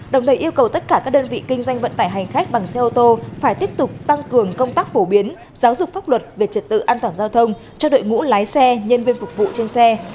đồng thời yêu cầu tất cả các đơn vị kinh doanh vận tải hành khách bằng xe ô tô phải tiếp tục tăng cường công tác phổ biến giáo dục pháp luật về trật tự an toàn giao thông cho đội ngũ lái xe nhân viên phục vụ trên xe